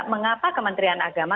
mengapa kementerian agama